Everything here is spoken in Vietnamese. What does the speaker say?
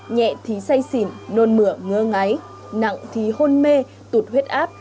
nhẹ thì say xỉn nôn mửa ngơ ngáy nặng thì hôn mê tụt huyết áp